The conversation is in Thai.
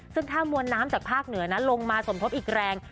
ซึ่งถ้ามวลน้ำจากภาคเหนือนั้นลงมาสมทบอีกแรง